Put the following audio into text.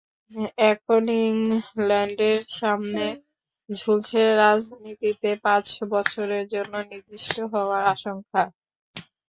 এখন ইংলাকের সামনে ঝুলছে রাজনীতিতে পাঁচ বছরের জন্য নিষিদ্ধ হওয়ার আশঙ্কা।